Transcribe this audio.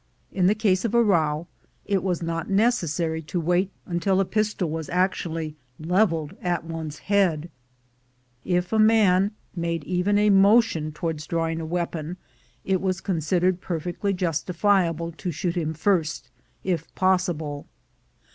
In the case of a row, \t was not necessary to wait till a pistol was actually leveled at one's head — if a man made even a motion towards drawing a weapon, it was considered perfectly justifi able to shoot him first, if possible.